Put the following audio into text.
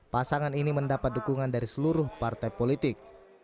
pasangan ini mendapat dukungan dari seluruh partai politik